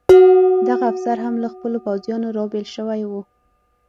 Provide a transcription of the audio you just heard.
دغه افسر هم له خپلو پوځیانو را بېل شوی و.